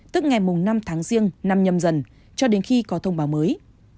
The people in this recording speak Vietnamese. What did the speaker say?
tức ngày năm tháng riêng năm nhâm dần cho đến khi có thông báo mới